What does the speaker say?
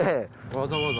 わざわざ？